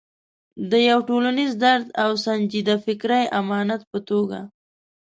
د یو ټولنیز درد او سنجیده فکري امانت په توګه.